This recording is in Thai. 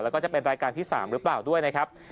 แล้วก็จะเป็นรายการที่๓หรือเปล่าด้วยนะครับ